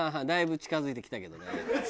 だいぶ近づいてきたけどね。